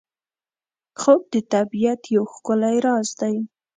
خوب د طبیعت یو ښکلی راز دی